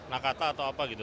nakata atau apa gitu